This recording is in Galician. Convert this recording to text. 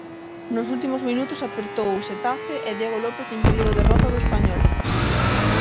Nos últimos minutos apertou o Xetafe e Diego López impediu a derrota do Español.